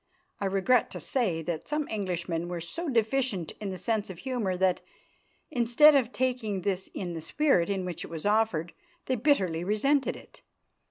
I regret to say that some Englishmen were so deficient in the sense of humour that, instead of taking this in the spirit in which it was offered, they bitterly resented it.